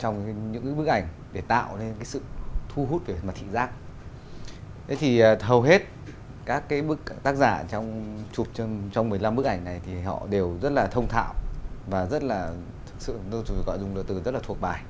người làm bức ảnh này thì họ đều rất là thông thạo và rất là thuộc bài